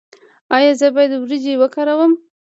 ایا زه باید روجايي وکاروم؟